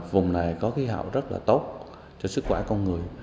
vùng này có khí hậu rất là tốt cho sức khỏe con người